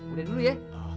udah dulu ya